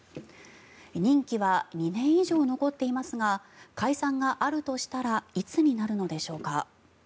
任期は２年以上残っていますが解散があるとしたらいつになるのでしょうか。